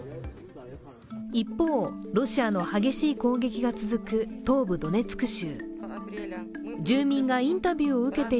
一方、ロシアの激しい攻撃が続く東部ドネツク州。